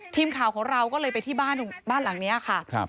ทีมข่าวของเราก็เลยไปที่บ้านหลังนี้ค่ะ